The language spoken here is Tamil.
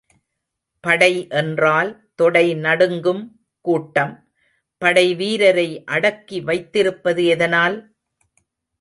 படை என்றால் தொடை நடுங்கும் கூட்டம், படை வீரரை அடக்கி வைத்திருப்பது எதனால்?